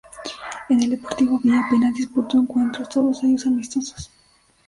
En el Deportivo B apenas disputó encuentros, todos ellos amistosos.